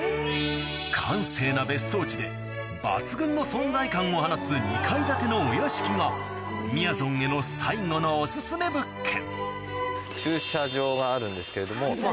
閑静な別荘地で抜群の存在感を放つ２階建てのお屋敷がみやぞんへの最後の駐車場があるんですけれども。